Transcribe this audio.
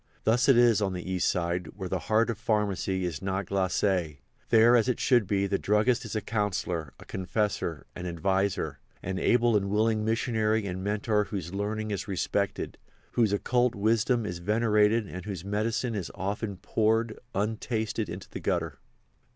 Thus it is on the East Side, where the heart of pharmacy is not glacé. There, as it should be, the druggist is a counsellor, a confessor, an adviser, an able and willing missionary and mentor whose learning is respected, whose occult wisdom is venerated and whose medicine is often poured, untasted, into the gutter.